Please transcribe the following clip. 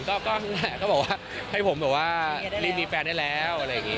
ก็บอกว่าให้ผมแบบว่ารีบมีแฟนได้แล้วอะไรอย่างนี้